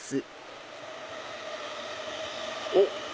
おっ！